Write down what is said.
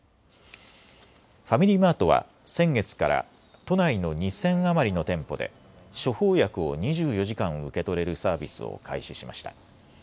ファミリーマートは先月から都内の２０００余りの店舗で処方薬を２４時間、受け取れるサービスを開始しました。